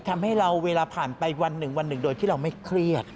ทำให้เราเวลาผ่านไปวันหนึ่งวันหนึ่งโดยที่เราไม่เครียด